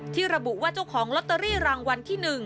ระบุว่าเจ้าของลอตเตอรี่รางวัลที่๑